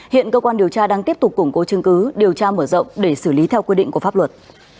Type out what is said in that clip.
hiện cơ quan điều tra đang tiếp tục củng cố chứng cứ điều tra mở rộng để xử lý theo quy định của pháp luật